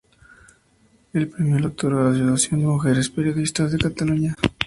El premio lo otorga la Asociación de Mujeres Periodistas de Cataluña.